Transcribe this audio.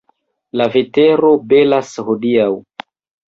La vetero belas hodiaŭ.